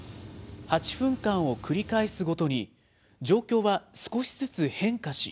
８分間を繰り返すごとに、状況は少しずつ変化し。